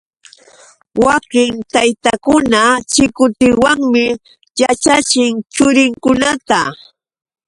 Wakin taytakuna chikutiwanmi yaćhachin churinkunata.